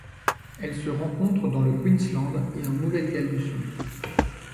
Elle se rencontre dans le Queensland et en Nouvelle-Galles du Sud.